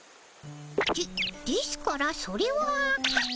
でですからそれはあっ！